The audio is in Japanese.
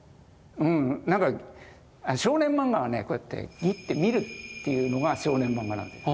なんか少年漫画はねこうやってギッて見るっていうのが少年漫画なんです。